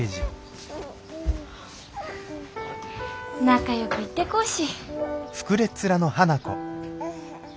仲良く行ってこうし。